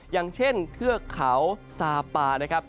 อย่างเช่นเทือกเขาซาปานะครับ